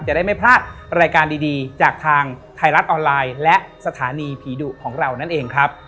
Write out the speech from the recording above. จะได้ไม่พลาดรายการดีจากทางไทยรัฐออนไลน์และสถานีผีดุของเรานั่นเองครับ